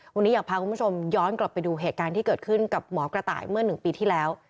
วันนี้อยากพาคุณผู้ชมย้อนกลับไปดูเหตุการณ์ที่เกิดขึ้นกับหมอกระต่ายเมื่อ๑ปีที่แล้ว